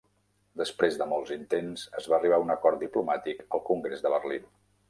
Després de molts intents, es va arribar a un acord diplomàtic al Congrés de Berlín.